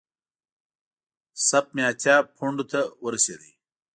سپ مې اتیا پونډو ته ورسېده.